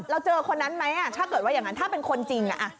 เจอคนนั้นไหมถ้าเกิดว่าอย่างนั้นถ้าเป็นคนจริง